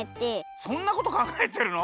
そんなことかんがえてるの？